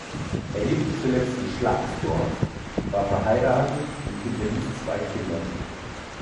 Er lebte zuletzt in Schlagsdorf, war verheiratet und hinterließ zwei Kinder.